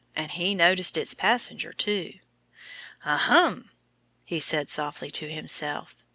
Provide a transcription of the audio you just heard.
And he noticed its passenger, too. "Ahem!" he said softly to himself.